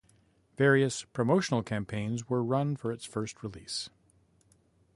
Various promotional campaigns were run for its first release.